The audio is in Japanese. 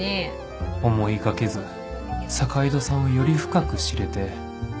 思いがけず坂井戸さんをより深く知れて